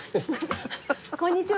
こんにちは。